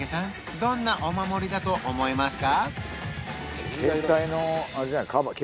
どんなお守りだと思いますか？